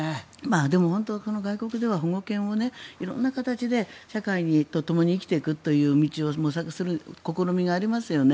でも、外国では保護犬を色んな形で社会とともに生きていくという道を模索する試みがありますよね。